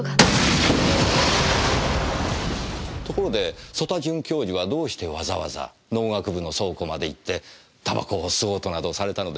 ところで曽田准教授はどうしてわざわざ農学部の倉庫まで行って煙草を吸おうとなどされたのでしょう？